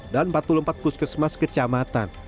dan empat puluh empat puskesmas kecamatan